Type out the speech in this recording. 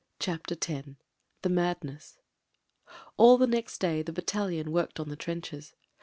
. CHAPTER X THE MADNESS ALL the next day the battalion worked on the trenches.